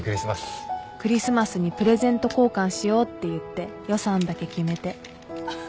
クリスマスにプレゼント交換しようって言って予算だけ決めていざ